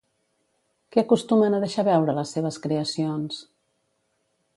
Què acostumen a deixar veure les seves creacions?